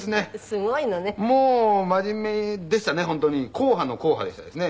硬派の硬派でしたですね。